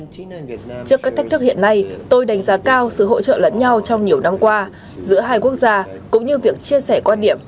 trước các thách thức hiện nay tôi đánh giá cao sự hỗ trợ lẫn nhau trong nhiều năm qua giữa hai quốc gia cũng như việc chia sẻ quan điểm